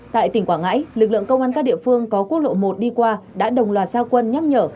tại tỉnh quảng ngãi lực lượng công an các địa phương có quốc lộ một đi qua đã đồng loạt gia quân nhắc nhở